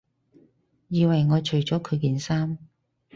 以為我除咗佢件衫